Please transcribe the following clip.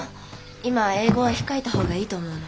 今は英語は控えた方がいいと思うの。